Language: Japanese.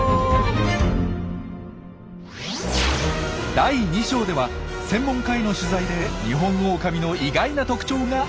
第２章では専門家への取材でニホンオオカミの意外な特徴が明らかに。